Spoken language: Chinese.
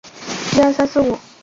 封威宁伯。